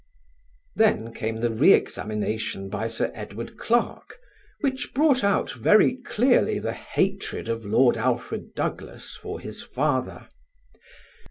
Then came the re examination by Sir Edward Clarke, which brought out very clearly the hatred of Lord Alfred Douglas for his father.